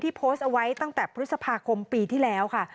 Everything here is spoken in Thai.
โพสต์เอาไว้ตั้งแต่พฤษภาคมปีที่แล้วค่ะ